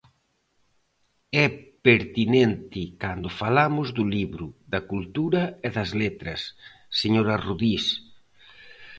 É pertinente cando falamos do libro, da cultura e das letras, señora Rodís.